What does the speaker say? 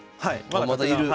まだいる！